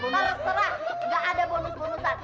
kalau serah gak ada bonus bonusan